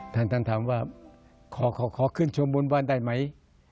ท่านท่านถามว่าขอขึ้นชมบนบ้านได้ไหม